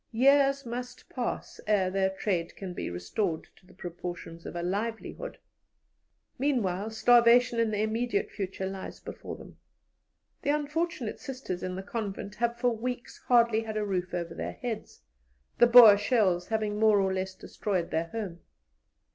Years must pass ere their trade can be restored to the proportions of a livelihood. Meanwhile starvation in the immediate future lies before them. The unfortunate Sisters in the convent have for weeks hardly had a roof over their heads, the Boer shells having more or less destroyed their home.